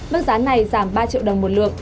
mức giá này giảm ba triệu đồng một lượng